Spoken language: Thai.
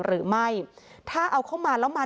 หรือไม่ถ้าเอาเข้ามาแล้วมา